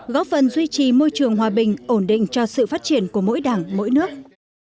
góp phần duy trì môi trường hòa bình ổn định cho sự phát triển của mỗi đảng mỗi nước